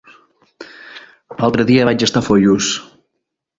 L'altre dia vaig estar a Foios.